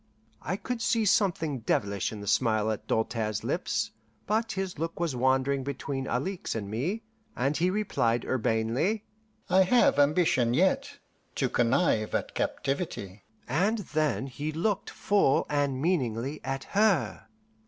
I could see something devilish in the smile at Doltaire's lip's, but his look was wandering between Alixe and me, and he replied urbanely, "I have ambition yet to connive at captivity"; and then he looked full and meaningly at her.